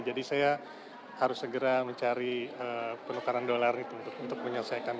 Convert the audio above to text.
jadi saya harus segera mencari penukaran dolar untuk menyelesaikan